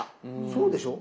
そうでしょ？